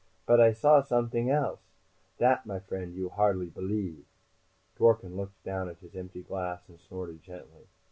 But I saw somet'ing else. That, my friend, you hardly believe!" Dworken looked down at his empty glass and snorted gently.